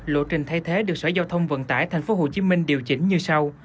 lộ trình thay thế được sở giao thông vận tải tp hcm điều chỉnh như sau